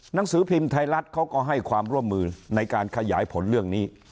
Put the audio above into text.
หนังสือพิมพ์ไทยรัฐเขาก็ให้ความร่วมมือในการขยายผลเรื่องนี้